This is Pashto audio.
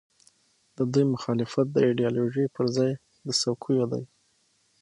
د دوی مخالفت د ایډیالوژۍ پر ځای د څوکیو دی.